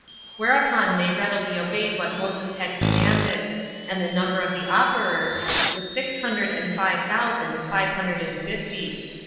18 Whereupon they readily obeyed what Moses had commanded; and the number of the offerers was six hundred and five thousand five hundred and fifty.